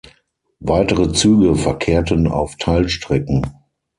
Weitere Züge verkehrten auf Teilstrecken.